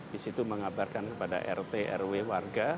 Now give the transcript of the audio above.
di situ mengabarkan kepada rt rw warga